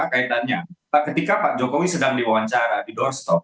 kaitannya ketika pak jokowi sedang diwawancara di doorstop